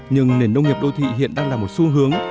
nhưng nền nông nghiệp đô thị hiện đang là một xu hướng